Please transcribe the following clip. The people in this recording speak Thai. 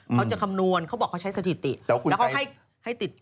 คำนวณเขาบอกเขาใช้สถิติแล้วเขาให้ติดต่อ